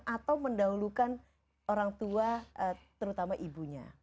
atau mendahulukan orang tua terutama ibunya